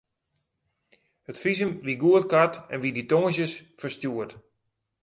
It fisum wie goedkard en wie dy tongersdeis ferstjoerd.